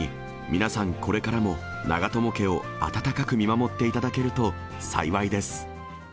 皆さん、これからも長友家を温かく見守っていただけると幸いです。